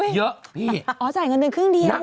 อ๋อจ่ายเงินเดือนครึ่งเดียว